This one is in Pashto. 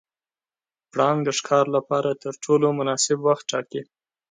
پړانګ د ښکار لپاره تر ټولو مناسب وخت ټاکي.